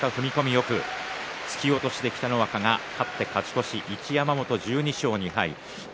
よく突き落としで勝って勝ち越し一山本、１２勝２敗。